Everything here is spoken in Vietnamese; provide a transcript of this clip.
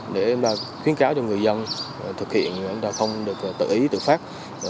để chúng ta khuyến cáo cho người dân thực hiện chúng ta không được tự ý tự phát